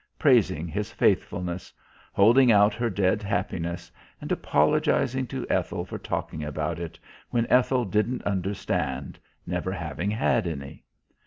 Praising his faithfulness; holding out her dead happiness, and apologizing to Ethel for talking about it when Ethel didn't understand, never having had any.